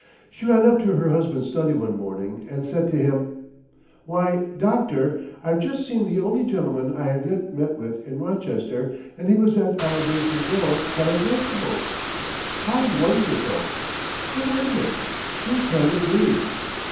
She ran up into her husband's study one morning, and said to him: "Why, Doctor, I've just seen the only gentleman I have yet met with in Rochester, and he was at our basement door selling vegetables. How wonderful! Who is it? Who can it be?"